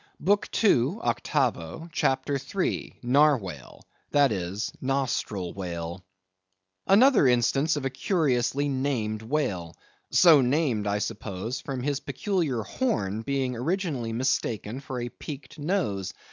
BOOK II. (Octavo), CHAPTER III. (Narwhale), that is, Nostril whale.—Another instance of a curiously named whale, so named I suppose from his peculiar horn being originally mistaken for a peaked nose.